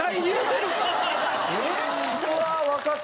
うわわかった。